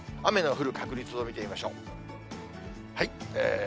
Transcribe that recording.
雨の降る確率を見てみましょう。